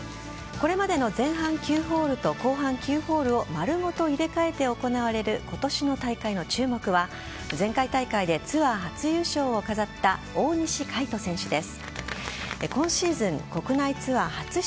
これまでの前半９ホールと後半９ホールを丸ごと入れ替えて行われる今年の大会の注目は前回大会でツアー初優勝を飾った大西魁斗選手です。